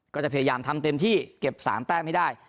ก็จะพยายามทำเต็มที่เก็บ๓แต้มให้ได้